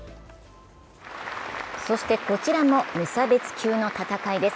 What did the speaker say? そして、こちらも無差別級の戦いです。